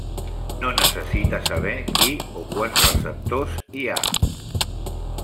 No necessita saber qui o quants receptors hi ha.